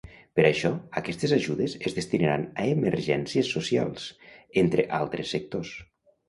Per això, aquestes ajudes es destinaran a emergències socials, entre altres sectors.